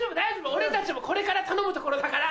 俺たちもこれから頼むところだから。